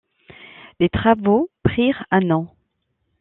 Les travaux prirent un an.